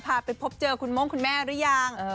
พาไปพบเจอคุณโม่งคุณแม่หรือยัง